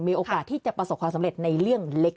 มีโอกาสที่จะประสบความสำเร็จในเรื่องเล็ก